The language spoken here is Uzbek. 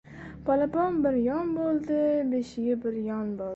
Polapon bir yon bo‘ldi, beshigi bir yon bo‘ldi!